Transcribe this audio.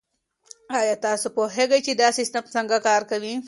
آیا تاسو پوهیږئ چي دا سیستم څنګه کار کوي؟